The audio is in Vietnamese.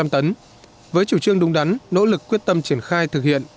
bốn năm trăm linh tấn với chủ trương đúng đắn nỗ lực quyết tâm triển khai thực hiện